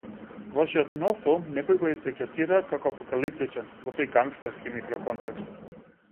Вашиот нов филм некои го етикетираат како апокалиптичен во тој гангстерски микроконтекст.